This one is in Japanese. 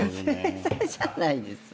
天才じゃないですよ。